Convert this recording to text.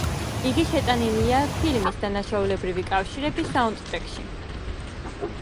იგი შეტანილია ფილმის „დანაშაულებრივი კავშირები“ საუნდტრეკში.